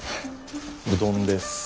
うどんです。